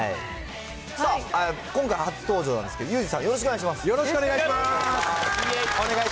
さあ、今回初登場なんですけど、ユージさん、よろしくお願いします。